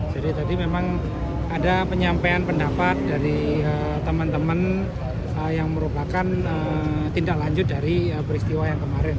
jadi tadi memang ada penyampaian pendapat dari teman teman yang merupakan tindak lanjut dari peristiwa yang kemarin